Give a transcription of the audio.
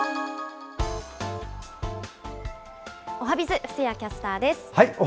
おはＢｉｚ、布施谷キャスターです。